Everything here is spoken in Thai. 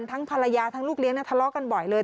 ทั้งภรรยาทั้งลูกเลี้ยทะเลาะกันบ่อยเลย